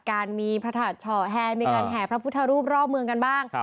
การมีพระธาตุเฉาะแฮมีการแห่พระพุทธรูปรอบเมืองกันบ้าง